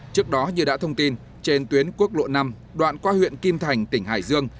trước đó như đã thông tin trên tuyến quốc lộ năm đoạn qua huyện kim thành tỉnh hải dương